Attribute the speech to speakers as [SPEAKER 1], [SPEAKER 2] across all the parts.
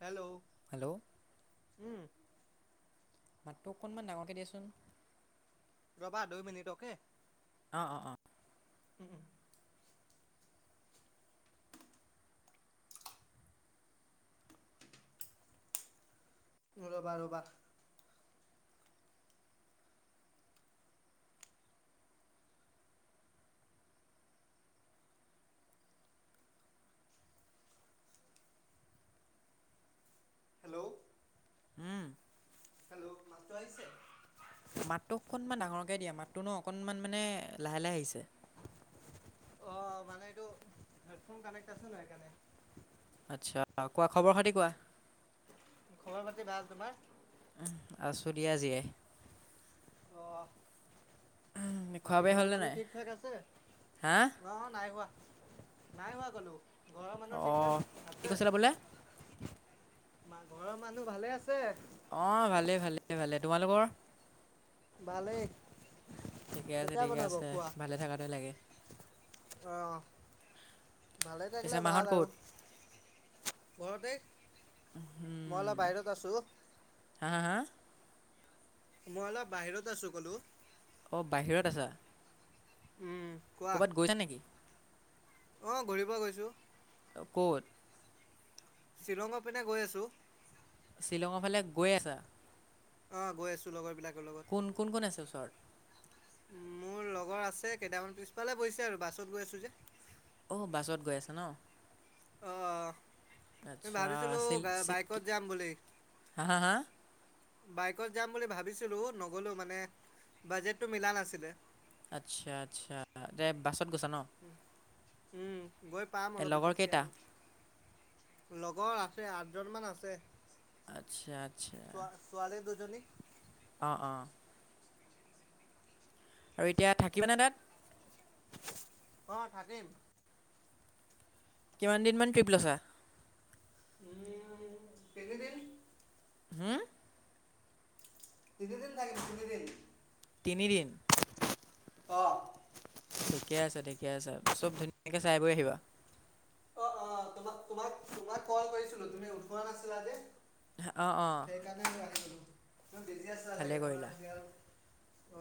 [SPEAKER 1] Hello
[SPEAKER 2] hello
[SPEAKER 1] উম।
[SPEAKER 2] মাত তোক অকনমান ডাঙৰকে দিয়াচোন।
[SPEAKER 1] ৰ'বা দু মিনিট অকে।
[SPEAKER 2] অ, অ, অ।
[SPEAKER 1] উম। ৰ'বা, ৰ'বা। হেল্ল'।
[SPEAKER 2] উম।
[SPEAKER 1] হেল্ল' মাতটো আহিছে।
[SPEAKER 2] মাতটোকমান ডাঙৰকে দিয়া মাতটোনো অকনমান মানে লাহে, লাহে আহিছে।
[SPEAKER 1] অ' মানে এইটো হেডফোন কানেক্ট আছে ন সেইকাৰণে।
[SPEAKER 2] আচ্ছা, কোৱা খবৰ খাতি কোৱা?
[SPEAKER 1] খবৰ পাতি ভাল তোমাৰ?
[SPEAKER 2] আছো দিয়া জিয়াই
[SPEAKER 1] অ
[SPEAKER 2] খোৱা
[SPEAKER 1] বাকী
[SPEAKER 2] বোৱা
[SPEAKER 1] ঘৰৰ
[SPEAKER 2] হ'লনে
[SPEAKER 1] মানুহ
[SPEAKER 2] নাই
[SPEAKER 1] ঠিক-ঠাক আছে?
[SPEAKER 2] হা
[SPEAKER 1] অ 'নাই হোৱা। নাই হোৱা কলো। ঘৰৰ মানুহ ঠিক
[SPEAKER 2] অহ' কি কৈছিলা বোলে?
[SPEAKER 1] মা ঘৰৰ মানুহ ভালে আছে।
[SPEAKER 2] অহ' ভালে, ভালে, ভালে। তোমালোকৰ?
[SPEAKER 1] ভালেই
[SPEAKER 2] ঠিকে আছে
[SPEAKER 1] কেতিয়া
[SPEAKER 2] ঠিকে আছে, ভালে থকাতোৱে লাগে।
[SPEAKER 1] অহ। ভালে
[SPEAKER 2] পিছে
[SPEAKER 1] থাকিলে
[SPEAKER 2] মাহঁত
[SPEAKER 1] ভাল
[SPEAKER 2] ক'ত
[SPEAKER 1] আৰু ঘৰতে। মই
[SPEAKER 2] উম,
[SPEAKER 1] অলপ বাহিৰত আছো।
[SPEAKER 2] হা, হা, হা।
[SPEAKER 1] মই অলপ বাহিৰত আছো ক'লো।
[SPEAKER 2] অ, বাহিৰত আছা।
[SPEAKER 1] উম।
[SPEAKER 2] কবাত গৈছা নিকি?
[SPEAKER 1] আহ ঘূৰিব গৈছো।
[SPEAKER 2] ক'ত?
[SPEAKER 1] শ্বিলঙৰ পিনে গৈ আছো।
[SPEAKER 2] শ্বিলঙৰ ফালে গৈ আছা?
[SPEAKER 1] অ' গৈ আছো লগৰ-বিলাক
[SPEAKER 2] কোন, কোন, কোন আছে ওচৰত?
[SPEAKER 1] মোৰ লগৰ আছে, কেইটামান। পিছপালে বহিছে আৰু বাছত গৈ আছোঁ যে।
[SPEAKER 2] আহ বাছত গৈ আছে ন? আচ্ছা
[SPEAKER 1] অ'ভাবিছিলো
[SPEAKER 2] আছিল
[SPEAKER 1] বাইকত যাম বুলি।
[SPEAKER 2] হা, হা, হা।
[SPEAKER 1] বাইকত যাম বুলি ভাবিছিলো, নগলো মানে বাজেটটো মিলা নাছিলে।
[SPEAKER 2] আচ্ছা, আচ্ছা। গৈছা ন
[SPEAKER 1] উম গৈ পাম
[SPEAKER 2] এই
[SPEAKER 1] অলপ
[SPEAKER 2] লগৰ
[SPEAKER 1] পিছতকে
[SPEAKER 2] কেইটা
[SPEAKER 1] আৰু লগৰ আছে আঠজন মান আছে
[SPEAKER 2] আচ্ছা আচ্ছা
[SPEAKER 1] জনী
[SPEAKER 2] অঁ অঁ আৰু এতিয়া থাকিবানে তাত
[SPEAKER 1] অ থাকিম।
[SPEAKER 2] কিমান দিন মান ট্ৰিপ লৈছা?
[SPEAKER 1] উম তিনি দিন
[SPEAKER 2] হম
[SPEAKER 1] তিনি দিন থাকিম তিনিদিন
[SPEAKER 2] তিনিদিন
[SPEAKER 1] অ
[SPEAKER 2] ঠিকে আছে ঠিকে আছে চব ধুনীয়াকে চাই বৈ আহিবা।
[SPEAKER 1] অ অ তোমাক তোমাক তোমাক কল কৰিছিলো তুমি উঠোৱা নাছিলা যে
[SPEAKER 2] অঁ অঁ
[SPEAKER 1] সেইকাৰণে য আছিলো তুমি বিজি আছা চাগে
[SPEAKER 2] ভালেই
[SPEAKER 1] মই
[SPEAKER 2] কৰিলা
[SPEAKER 1] অ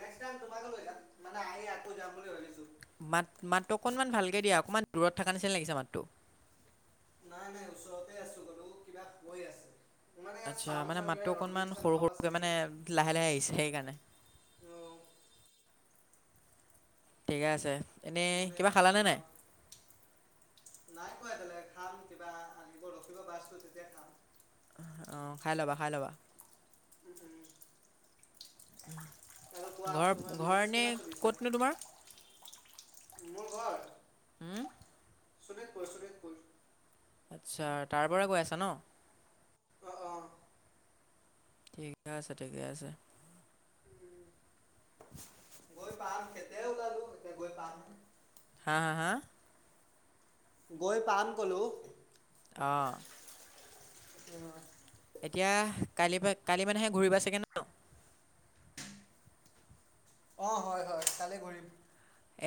[SPEAKER 1] নেক্সট টাইম তোমাক লৈ যাম। মানে আহি আকৌ যাম বুলি ভাবিছো।
[SPEAKER 2] মাত চ লাগিছে মাতটো
[SPEAKER 1] নাই নাই ওচৰতে আছো গলো কিবা হৈ আছে মানে ইয়াত
[SPEAKER 2] আচ্ছা
[SPEAKER 1] চাউণ্ড
[SPEAKER 2] মানে
[SPEAKER 1] চাউণ্ড কিবা
[SPEAKER 2] মাতটো অকনমান
[SPEAKER 1] নটিফিকেশ্যন
[SPEAKER 2] সৰু
[SPEAKER 1] অফ আছে
[SPEAKER 2] সৰুকে
[SPEAKER 1] নেকি
[SPEAKER 2] মানে লাহে লাহে আহিছে সেইকাৰণে। [inaudible]
[SPEAKER 1] অ',
[SPEAKER 2] ঠিকে আছে এনেই
[SPEAKER 1] মানে
[SPEAKER 2] কিবা খালানে নাই?
[SPEAKER 1] অ', নাই কোৱা এতিয়ালৈ খাম কিবা আনিব ৰখিব বাচটো তেতিয়া খাম
[SPEAKER 2] অ খাই ল'বা খাই ল'বা
[SPEAKER 1] উম আৰু কোৱা
[SPEAKER 2] ঘৰ
[SPEAKER 1] তোমাৰ বিজনেছ
[SPEAKER 2] ঘৰ নে
[SPEAKER 1] কেনে চলিছে
[SPEAKER 2] ক'তনো তোমাৰ?
[SPEAKER 1] মোৰ ঘৰ
[SPEAKER 2] হুম?
[SPEAKER 1] শুনিতপুৰ শুনিতপুৰ
[SPEAKER 2] আচ্ছা তাৰ পৰা কৈ আছা ন?
[SPEAKER 1] আহ
[SPEAKER 2] ঠিকে আছে ঠিকে আছে।
[SPEAKER 1] উ গৈ পাম খেতে ওলালো এতে গৈ পামহে
[SPEAKER 2] হা হা হা
[SPEAKER 1] গৈ পাম ক'লো
[SPEAKER 2] আহ
[SPEAKER 1] উম [unintelligible]
[SPEAKER 2] এতিয়া কালি কালি মানেহে ঘূৰিবা চাগে ন?
[SPEAKER 1] অ হয় হয় কাইলে ঘূৰিম।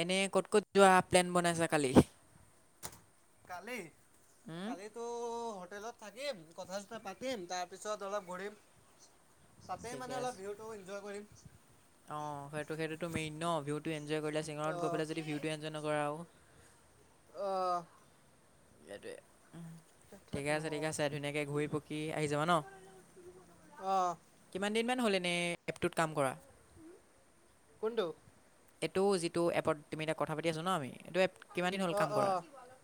[SPEAKER 2] এনে ক'ত ক'ত যোৱা প্লেন বনাইছা কালি?
[SPEAKER 1] কালি
[SPEAKER 2] উম,
[SPEAKER 1] কালিটো হোটেলত থাকিম কথা চথা পাতিম তাৰ পিছত অলপ ঘূৰিম। তাতে মানে অলপ ভিউটো এনজয় কৰিম।
[SPEAKER 2] অ সেইটো সেইটোতো মেইন ন? ভিউটো এনজয় কৰিলা শ্বিলংত গৈ
[SPEAKER 1] আহ
[SPEAKER 2] পেলাই যদি ভিউটো এনজয় নকৰা আৰু।
[SPEAKER 1] অ'
[SPEAKER 2] সেইটোৱেই। ঠিকে
[SPEAKER 1] ন
[SPEAKER 2] আছে ঠিকে আছে ধুনীয়াকে ঘূৰি পকি আহি যাবা ন?
[SPEAKER 1] আহ
[SPEAKER 2] কিমান দিনমান হ'ল এনেই এপটোত কাম কৰা?
[SPEAKER 1] কোনটো?
[SPEAKER 2] এইটোও যিটো এপত তুমি এটা কথা পাতি আছো ন আমি। এইটো এপ কিমান দিন হ'ল
[SPEAKER 1] অ,
[SPEAKER 2] কাম কৰা
[SPEAKER 1] অ'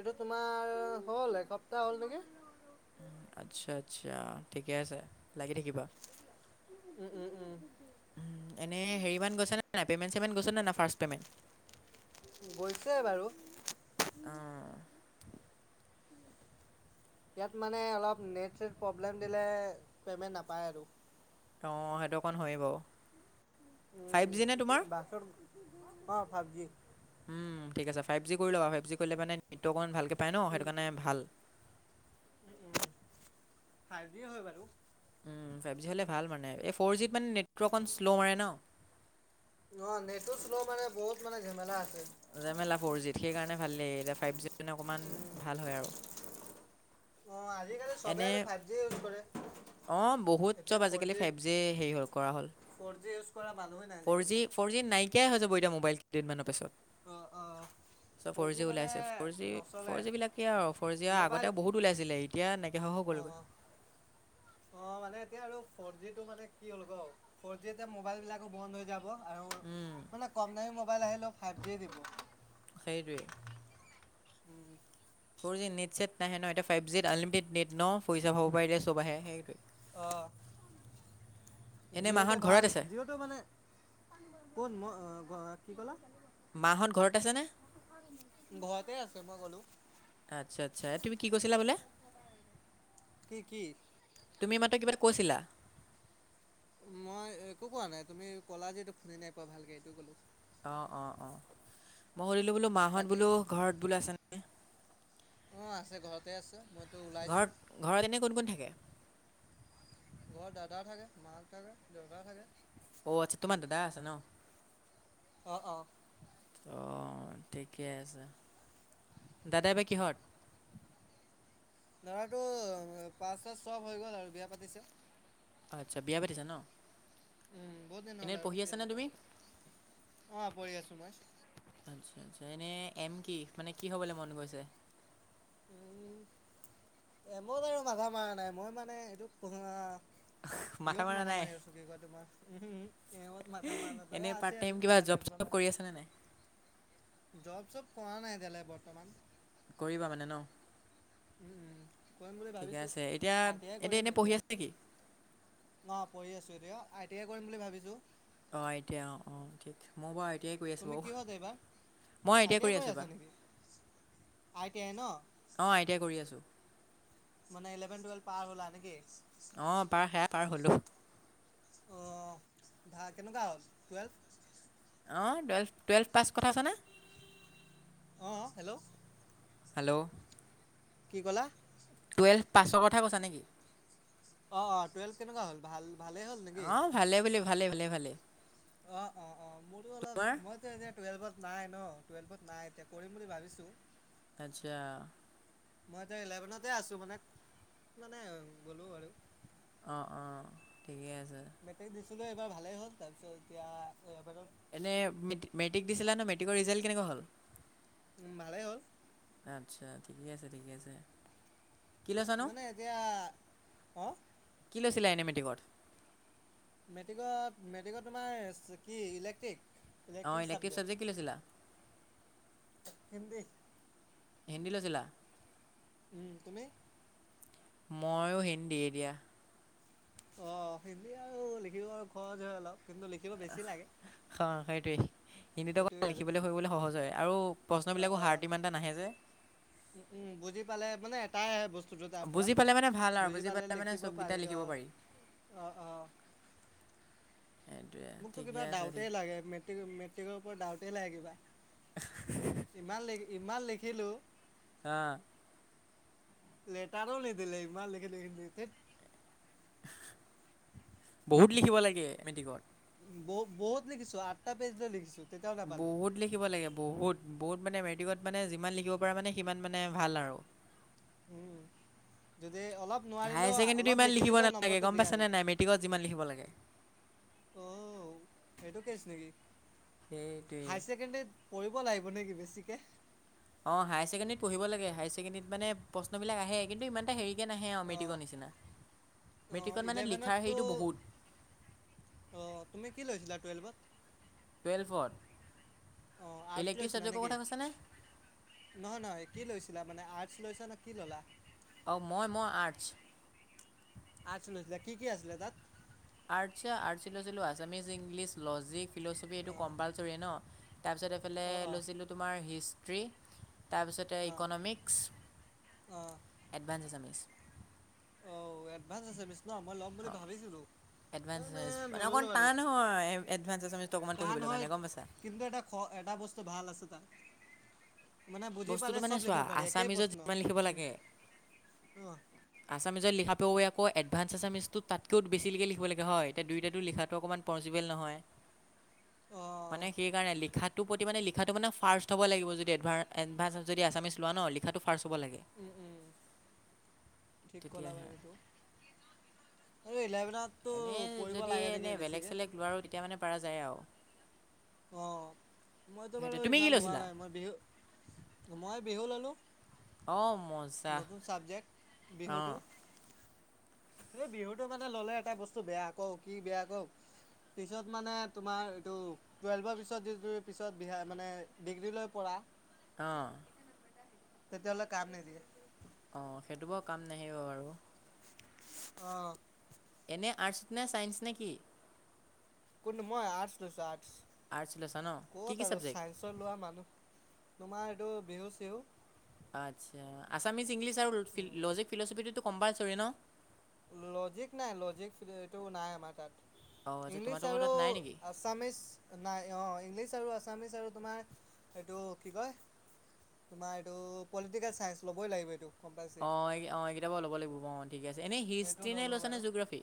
[SPEAKER 1] এইটো তোমাৰ হ'ল এসপ্তাহ হ'ল নেকি?
[SPEAKER 2] আচ্ছা, আচ্ছা ঠিকে আছে লাগি থাকিবা।
[SPEAKER 1] উম উম উম
[SPEAKER 2] এনে হেৰি মান গৈছে ন নাই পেমেণ্ট? পেমেণ্ট কচ নাই ন ফাষ্টট পেমেণ্ট?
[SPEAKER 1] গৈছে বাৰু।
[SPEAKER 2] অঁ
[SPEAKER 1] ইয়াত মানে অলপ নেট-ছেট প্ৰব্লেম দিলে পেমেণ্ট নাপায় আৰু।
[SPEAKER 2] অঁ' সেইটো অকণ হয়েই বাৰু। ফাইভ জি নে তোমাৰ?
[SPEAKER 1] অ ' ফাইভ জি।
[SPEAKER 2] উম, ঠিক আছে ফাইভ জি কৰি ল'বা ফাইভ জি কৰিলে মানে নেটটো অকণ ভালকে পায় ন, সেইটো কাৰণে ভাল।
[SPEAKER 1] উম, উম ফাইভ যি হয় বাৰু।
[SPEAKER 2] ফাইভ জি হ'লে ভাল মানে, এই ফ'ৰ জিত মানে নেটৱৰ্ক অকণ শ্ল' মাৰে ন।
[SPEAKER 1] অ, নেটো শ্ল' মানে বহুত মানে ঝেমেলা আছে।
[SPEAKER 2] জেমেলা ফ'ৰ জিত সেইকাৰণে ভাল লাগে, এতিয়া ফাইভ জি মানে অকমান ভাল হয় আৰু।
[SPEAKER 1] অ' আজিকালি চবে
[SPEAKER 2] এনে
[SPEAKER 1] আৰু ফাইভ জি ইউজ কৰে।
[SPEAKER 2] অ' বহুত
[SPEAKER 1] এতিয়া
[SPEAKER 2] চব
[SPEAKER 1] ফ'ৰ
[SPEAKER 2] আজিকালি ফাইভ জি হেৰি হ'ল, কৰা হ'ল।
[SPEAKER 1] ফ'ৰ জি ইউজ কৰা মানুহে নাই
[SPEAKER 2] ফৰ
[SPEAKER 1] আজিকালি
[SPEAKER 2] যি ফৰ জী নাইকিয়াই হৈ যাব এতিয়া মোবাইল কেইদিনমানৰ পিছত।
[SPEAKER 1] অ' অ।
[SPEAKER 2] চপ ফৰ
[SPEAKER 1] জি
[SPEAKER 2] যি
[SPEAKER 1] মানে
[SPEAKER 2] ওলাইছে
[SPEAKER 1] নচলে
[SPEAKER 2] ফৰ যি বিলাক কি আৰু ফৰ জি
[SPEAKER 1] মোবাইল
[SPEAKER 2] আগতে বহুত ওলাইছিলে এতিয়া ন কহ হৈ
[SPEAKER 1] অ
[SPEAKER 2] গ'লগে।
[SPEAKER 1] অ অ' মানে এতিয়া আৰু ফৰ জি টো মানে কি হ'ল গ ফৰ জি এতিয়া মোবাইল বিলাকো বন্ধ হৈ যাব। আৰু
[SPEAKER 2] উম,
[SPEAKER 1] মানে কম দামী মোবাইল আহিলেও ফাইভ জি দিব।
[SPEAKER 2] সেইটোৱেই।
[SPEAKER 1] উম।
[SPEAKER 2] ফ'ৰ জি নেট-ছেট নাহে ন এ ফাইভ জিত আনলিমিটেড নেট ন? পইচা পাব পাৰিল চব আহে সেইটোয়ে।
[SPEAKER 1] অ।
[SPEAKER 2] এনেই
[SPEAKER 1] জিঅ'টো
[SPEAKER 2] মাহঁত ঘৰত
[SPEAKER 1] ভাল
[SPEAKER 2] আছে
[SPEAKER 1] জিঅ'টো মানে কোন কি ক'লা?
[SPEAKER 2] মা হঁত ঘৰত আছে নে?
[SPEAKER 1] ঘৰতে আছে। মই কলো
[SPEAKER 2] আচ্ছা, আচ্ছা তুমি কি কৈছিলা বোলে?
[SPEAKER 1] কি কি
[SPEAKER 2] তুমি মাত্ৰ কিবা কৈছিলা।
[SPEAKER 1] মই একো কোৱা নাই, তুমি কলা যে এইটো শুনি নাই পোৱা ভালকে এইটো ক'লো।
[SPEAKER 2] অ, অ, অ 'মই সুধিলো বোলো মাহত
[SPEAKER 1] বাকী
[SPEAKER 2] বোলো ঘৰত বোলো আছ নে?
[SPEAKER 1] অ' আছে ঘৰতে আছে। মইতো ওলাইছোঁ
[SPEAKER 2] ঘৰত, ঘৰত এনে কোন কোন থাকে?
[SPEAKER 1] ঘৰত দাদা থাকে, মাক থাকে, দেউতা থাকে।
[SPEAKER 2] অ' আছা তোমাৰ দাদা আছে ন?
[SPEAKER 1] অ, অ।
[SPEAKER 2] অ' ঠিকে আছে দাদা বাই কিহত?
[SPEAKER 1] লৰাটো পাঁচ চব হৈ গ'ল আৰু বিয়া পাতিছে।
[SPEAKER 2] আচ্ছা বিয়া পাতিছা ন?
[SPEAKER 1] উম, বহুত দিন হল
[SPEAKER 2] এনেই
[SPEAKER 1] আৰু
[SPEAKER 2] পঢ়ি
[SPEAKER 1] বিয়া
[SPEAKER 2] আছানে
[SPEAKER 1] পতা।
[SPEAKER 2] তুমি
[SPEAKER 1] অ' পঢ়ি আছো মই।
[SPEAKER 2] আচ্ছা, আচ্ছা এনে এম কি? মানে কি হবলৈ মন গৈছে?
[SPEAKER 1] উম, এ মোৰ বাৰু মাথা মৰা নাই। মই মানে এইটো
[SPEAKER 2] [inaudible]
[SPEAKER 1] কিহত মাথা
[SPEAKER 2] নাই
[SPEAKER 1] মাৰি আছো কি কয় তোমাৰ উ ইহত মাথা মৰা নাই
[SPEAKER 2] এনেই
[SPEAKER 1] দাদা
[SPEAKER 2] পাৰ্ট
[SPEAKER 1] আছে
[SPEAKER 2] টাইম
[SPEAKER 1] আৰু
[SPEAKER 2] কিবা
[SPEAKER 1] ইমান
[SPEAKER 2] জব চব
[SPEAKER 1] টেননত [unintelligible]
[SPEAKER 2] [inaudible]
[SPEAKER 1] জব-চব কৰা নাই এতিয়া লৈকে বৰ্তমান।
[SPEAKER 2] কৰিবা মানে ন?
[SPEAKER 1] উম, উম। কৰিম বুলি
[SPEAKER 2] ঠিকে
[SPEAKER 1] ভাবিছো।
[SPEAKER 2] আছে এতিয়া
[SPEAKER 1] আই টি আই কৰিম
[SPEAKER 2] এনেই পঢ়ি
[SPEAKER 1] এতিয়া।
[SPEAKER 2] আছে নেকি
[SPEAKER 1] অ পঢ়ি আছো এতি। য়া। আই টি আই কৰিম বুলি ভাবিছোঁ।
[SPEAKER 2] অ এতিয়া অ অ ঠিক মৌ বাও। এতিয়াই কৰি আছোঁ
[SPEAKER 1] তুমি
[SPEAKER 2] বাও।
[SPEAKER 1] কিহত এইবাৰ,
[SPEAKER 2] মই
[SPEAKER 1] আই
[SPEAKER 2] এতিয়াই
[SPEAKER 1] টি আই
[SPEAKER 2] কৰি আছোঁ এবা।
[SPEAKER 1] আছা নেকি? আই টি আই ন?
[SPEAKER 2] অ আই টি আই কৰি আছো।
[SPEAKER 1] মানে ইলেভেন টুৱেলভ পাৰ হলা নেকি?
[SPEAKER 2] অ পাৰ সেয়া পাৰ হলো।
[SPEAKER 1] আহ ভা কেনেকুৱা হ'ল টুৱেলভ? [unintelligible]
[SPEAKER 2] অঁ টুৱেলভ টুৱেলভ পাছ কথা আছানে? [unintelligible]
[SPEAKER 1] অহ। হেল্ল'।
[SPEAKER 2] হেল্ল'।
[SPEAKER 1] কি কলা?
[SPEAKER 2] টুৱেল্ভ পাছৰ কথা কৈছা নেকি?
[SPEAKER 1] অ অ টুৱেলভ কেনেকুৱা হ'ল? ভাল। ভালেই হ'ল নেকি?
[SPEAKER 2] অ ভালে বুলি ভালে ভালে ভালে।
[SPEAKER 1] অ অ অ মোৰো অলপ, মইতে এতিয়া। টুৱেল্ভত নাই ন টুৱেলভত নাই এতিয়া। কৰিম বুলি ভাবিছো।
[SPEAKER 2] আচ্ছা।
[SPEAKER 1] মই তে ইলেভেনতে আছো মানে। মানে গ'লো আৰু। [unintelligible]
[SPEAKER 2] অ অ ঠিকে আছে।
[SPEAKER 1] মেট্ৰিক দিছিলো এইবাৰ ভালেই হ'ল তাৰপিছত এতিয়া।
[SPEAKER 2] এনে মেট্ৰিক দিছিলা ন মেট্ৰিকৰ ৰিজাল্ট কেনেকুৱা হ'ল।
[SPEAKER 1] উম ভালেই হ'ল।
[SPEAKER 2] আচ্ছা ঠিকে আছে ঠিকে আছে। কি লৈছানো
[SPEAKER 1] মানে এতিয়া। অঁ
[SPEAKER 2] কি লৈছিলা এনে মেটিকত।
[SPEAKER 1] মেট্ৰিকত মেট্ৰিকত তোমাৰ কি ইলেক্ট্ৰিক?
[SPEAKER 2] অ
[SPEAKER 1] ইলেক্ট্ৰিক
[SPEAKER 2] ইলেক্ট্ৰিভ
[SPEAKER 1] ছাবজেক্ট
[SPEAKER 2] সাৱজেক কি লৈছিলা?
[SPEAKER 1] হিন্দী।
[SPEAKER 2] হিন্দী লৈছিলা?
[SPEAKER 1] উম তুমি?
[SPEAKER 2] মইও হিন্দী দিয়া।
[SPEAKER 1] অ হিন্দী আৰু লিখিব সহজ হয় অলপ। কিন্তু লিখিব বেছি লাগে
[SPEAKER 2] হা সেইটোৱেই। হিন্দীটো
[SPEAKER 1] এইটোৱে আৰু
[SPEAKER 2] লিখিবলৈ সুনিবলৈ সহজ হয় আৰু প্ৰশ্ন বিলাকো হাৰ্ট ইমানটা নাহে যে।
[SPEAKER 1] উ উম বুজি পালে মানে এটাইে বস্তু। তাৰ পৰা।
[SPEAKER 2] বুজি পালে মানে ভাল আৰু
[SPEAKER 1] বুজি পালে
[SPEAKER 2] মানে
[SPEAKER 1] লিখিব
[SPEAKER 2] চবকেইটা
[SPEAKER 1] পাৰি
[SPEAKER 2] লিখিব
[SPEAKER 1] অঁ অঁ অ।
[SPEAKER 2] [inaudible]
[SPEAKER 1] মোকতো
[SPEAKER 2] ঠিকে
[SPEAKER 1] কিবা
[SPEAKER 2] আছে
[SPEAKER 1] ডাউটে
[SPEAKER 2] ঠিক
[SPEAKER 1] লাগে মেট্ৰিক মেট্ৰিকৰ ওপৰত ডাউটে লাগে কিবা। ইমান লিখি ইমান লিখিলো।
[SPEAKER 2] আহ।
[SPEAKER 1] লেটাৰো নিদিলে ইমান লিখি লিখি লিখি থেত।
[SPEAKER 2] বহুত লিখিব লাগে মেট্ৰিকত।
[SPEAKER 1] ব বত লিখিছোঁ। আঠটা পেজলৈ লিখিছোঁ।
[SPEAKER 2] বহুত লিখিব লাগে। বহুত বহুত। মানে মেট্ৰিকত মানে যিমান লিখিব পাৰা মানে সিমান মানে ভাল আৰু।
[SPEAKER 1] উম যদি। অলপ নোৱাৰিলেও
[SPEAKER 2] হায়াৰ ছেকেণ্ডেৰীটো
[SPEAKER 1] অলপ
[SPEAKER 2] ইমান
[SPEAKER 1] লিখি
[SPEAKER 2] লিখিব
[SPEAKER 1] দিলেও
[SPEAKER 2] নালাগে
[SPEAKER 1] নম্বৰটো
[SPEAKER 2] গম
[SPEAKER 1] দিয়ে আৰু
[SPEAKER 2] পাইছেনে নাই মেট্ৰিকত যিমান লিখিব লাগে। [unintelligible]
[SPEAKER 1] এইটো কেছ নেকি?
[SPEAKER 2] সেইটোৱেই
[SPEAKER 1] কৰিবঢ় লাগিব নেকি বেছিকে।
[SPEAKER 2] অ হায়াই ছেকেডৰীত পঢিব লাগে হাইাৰ ছেকেডীত মানে প্ৰশ্ন বিলাক আহে কিন্তু ইমান এটা হেৰি তকে নাহে আৰু
[SPEAKER 1] অ'
[SPEAKER 2] মেট্ৰিকৰ নিচিনা
[SPEAKER 1] অ'
[SPEAKER 2] মেট্ৰিকত মানে লিখাৰ
[SPEAKER 1] ইলেভেনততো
[SPEAKER 2] হেৰিটো বহুত
[SPEAKER 1] অ তুমি কি লৈছিলা টুৱেলভত?
[SPEAKER 2] টুৱেলভত।
[SPEAKER 1] অ আৰ্টচ লৈছিলা নেকি নহয় নহয় কি লৈছিলা মানে লৈছা ন কি ল'লা।
[SPEAKER 2] অঁ মই মই আৰ্টছ
[SPEAKER 1] আৰ্টচ লৈছিলা কি কি আছিলে তাত?
[SPEAKER 2] আৰ্টছ আৰ্টচ লৈছিলোঁ আছামিছ, ইংলিছ, লজিক, ফিল'চফি এইটো কম্পালচৰি ন তাৰপিছত এইফালে
[SPEAKER 1] অ' অ'
[SPEAKER 2] লৈছিলোঁ তোমাৰ হিষ্ট্ৰী। তাৰপিছতে
[SPEAKER 1] অ' অ'
[SPEAKER 2] ইকনমিক্স,
[SPEAKER 1] অঁ
[SPEAKER 2] এডভান্স এছমিক্স।
[SPEAKER 1] এডভানস আছামিছ মই ল'ম বুলি ভাবিছিলো।
[SPEAKER 2] এডভানস এামচ মানে অকণমান টান ও হয় এডভান্স এচামিচটো অকণমান
[SPEAKER 1] টান
[SPEAKER 2] পঢ়িবৰ
[SPEAKER 1] হয়
[SPEAKER 2] কাৰণে গম পাইছা
[SPEAKER 1] কিন্তু এটা খ এটা বস্তু ভাল আছে তাত মানে বুজি
[SPEAKER 2] বস্তুটো
[SPEAKER 1] পালে
[SPEAKER 2] মানে
[SPEAKER 1] চব
[SPEAKER 2] চোৱা
[SPEAKER 1] লিখিব পাৰি একেই
[SPEAKER 2] আছামিজত
[SPEAKER 1] প্ৰশ্ন
[SPEAKER 2] যিমান লিখিব
[SPEAKER 1] উম
[SPEAKER 2] লাগে।
[SPEAKER 1] অঁ
[SPEAKER 2] আছামিজত লিখা ত আকৌ এডভানঞ্চস এছামিছটো তাতকৈও বেছিলৈকে লিখিব লাগে হয় এতিয়া দুয়োটাটো লিখাটো অকণমান পচিবল নহয়।
[SPEAKER 1] অঁ
[SPEAKER 2] মানে সেইকাৰণে লিখাৰ প্ৰতি মানে লিখাটো মানে ফাৰ্ষ্ট হ'ব লাগিব য এ এডভাঞ্চ যদি আছামিছ লোৱা ন লিখাটো ফাৰ্চ হ'ব লাগে
[SPEAKER 1] উম উম ঠিক ক'লা
[SPEAKER 2] তেতিয়াহে
[SPEAKER 1] বাৰু
[SPEAKER 2] আৰু
[SPEAKER 1] সেইটো আৰু ইলেভেনততো
[SPEAKER 2] এনেই
[SPEAKER 1] পঢ়িব
[SPEAKER 2] যদি
[SPEAKER 1] লাগে নেকি
[SPEAKER 2] এনেই বেলেগ
[SPEAKER 1] বেছিকৈ
[SPEAKER 2] চেলেগ লোৱাৰো তেতিয়া মানে পাৰা যায় আৰু
[SPEAKER 1] অ মইতো বাৰু
[SPEAKER 2] সেইটোৱে তুমি কি
[SPEAKER 1] ইমান লোৱা
[SPEAKER 2] লৈছিলা
[SPEAKER 1] নাই মই বিহু মই বিহু ললো।
[SPEAKER 2] অঁ মজা
[SPEAKER 1] নতুন চাবজেক্ট
[SPEAKER 2] অঁ
[SPEAKER 1] বিহুটো। এই বিহুটো মানে ললে এটা বস্তু বেয়া কও কি বেয়া কও। পিছত মানে তোমাৰ এইটো টোৱেলভৰ পিছত মানে ডিগ্ৰীলৈ পঢ়া
[SPEAKER 2] অ
[SPEAKER 1] তেতিয়াহলে কাম নিদিয়ে।
[SPEAKER 2] অ সেইটো বৰ কাম নাহিব বাৰু
[SPEAKER 1] আহ
[SPEAKER 2] এনে আৰ্টছত নে চাইন্স নে কি
[SPEAKER 1] কোন মই আৰ্টচ লৈছো
[SPEAKER 2] আৰ্টছ লৈছা ন
[SPEAKER 1] আৰ্টচ
[SPEAKER 2] কি
[SPEAKER 1] ক'ত
[SPEAKER 2] কি
[SPEAKER 1] আৰু
[SPEAKER 2] ছাবজেক্ট
[SPEAKER 1] চাইন্সৰ লোৱা মানুহ তোমাৰ এইটো বিহু চিহু
[SPEAKER 2] আচ্ছা আছামিছ ইংলিছ আৰু লজিক ফিলচফিটোতো কম্পালচৰী ন।
[SPEAKER 1] লজিক নাই লজিক এইটো নাই আমাৰ তাত
[SPEAKER 2] অঁ আচ্ছা
[SPEAKER 1] ইংলিছ
[SPEAKER 2] তোমাৰতো
[SPEAKER 1] আৰু
[SPEAKER 2] তাত নাই নেকি
[SPEAKER 1] আছামিচ নাই অ ইংলিছ। আৰু আছামিছ আৰু তোমাৰ এইটো কি কয়। তোমাৰ এইটো পলিটিকেল চাইঞ্চ ল'বই লাগিব এইটো। কম্পালচৰি।
[SPEAKER 2] অ অ এই কেইটা পৰা ল'ব লাগিব ম। ঠিক আছে এনেই
[SPEAKER 1] এইটো
[SPEAKER 2] হিষ্ট্ৰি নে
[SPEAKER 1] ল'লোঁ
[SPEAKER 2] লৈছানে
[SPEAKER 1] বাৰু
[SPEAKER 2] জোগ্ৰাফী।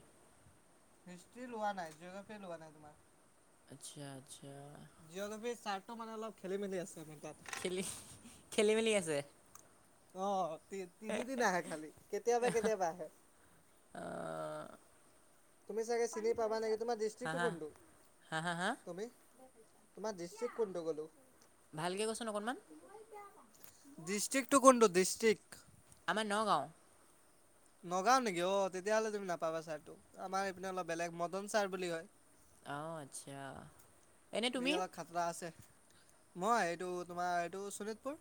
[SPEAKER 1] হিষ্ট্ৰী লোৱা নাই যোগাফ্ৰি লোৱা নাই তোমাৰ
[SPEAKER 2] আচ্ছা আচ্ছা।
[SPEAKER 1] জিঅ'গাফ্ৰি চাৰ টো মানে অলপ খেলি মেলি আছে মানে।
[SPEAKER 2] খেলি খেলি মেলি আছে।
[SPEAKER 1] আহ তিনিদিন আহে খালি কেতিয়াবা কেতিয়াবা আহে।
[SPEAKER 2] আহ,
[SPEAKER 1] তুমি চাগে চিনি পাবা নেকি তোমাৰ
[SPEAKER 2] হা
[SPEAKER 1] দৃষ্টিটো
[SPEAKER 2] হা
[SPEAKER 1] কোনটো
[SPEAKER 2] হা হা হা
[SPEAKER 1] তুমি। তোমাৰ দিষ্ট্ৰিক কোনটো বো'লো?
[SPEAKER 2] ভালকে ক চোন অকনমান।
[SPEAKER 1] ডিষ্ট্ৰিক্টতো কোনটো ডিষ্ট্ৰিক?
[SPEAKER 2] আমাৰ নগাঁও।
[SPEAKER 1] নগাও নেকি? অ তেতিয়াহ'লে তুমি নাপাবা ছাৰটো আমাৰ এইপিনে অলপ বেলেগ মদন ছাৰ বুলি কয়।
[SPEAKER 2] অঁ আচ্ছা এনে তুমি
[SPEAKER 1] ই অলপ খাতৰা আছে। মই এইটো তোমাৰ এইটো শোণিতপুৰ।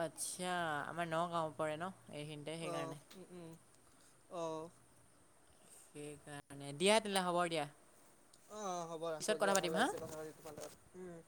[SPEAKER 2] আচ্ছা আমাৰ নগাঁও পৰে ন। এইখিনিতে
[SPEAKER 1] অহ
[SPEAKER 2] সেইকাৰণে
[SPEAKER 1] উম উম অহঁ।
[SPEAKER 2] সেইকাৰণে দিয়া তেনে হ'ব দিয়া।
[SPEAKER 1] অ হ'ব
[SPEAKER 2] পিছত
[SPEAKER 1] ৰাখো
[SPEAKER 2] কথা
[SPEAKER 1] দিয়া ভাল
[SPEAKER 2] পাতিম হা
[SPEAKER 1] লাগিছে কথাপাতি তোমাৰ লগত উম।